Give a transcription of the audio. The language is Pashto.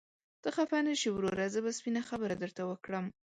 ته خفه نشې وروره، زه به سپينه خبره درته وکړم.